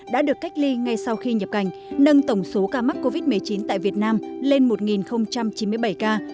đã được cách ly ngay sau khi nhập cảnh nâng tổng số ca mắc covid một mươi chín tại việt nam lên một chín mươi bảy ca